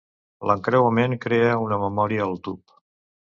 L"entrecreuament crea una memòria al tub.